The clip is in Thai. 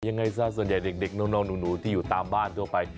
ยังไงซะส่วนใหญ่เด็กน้องหนูที่อยู่ตามบ้านทั่วไป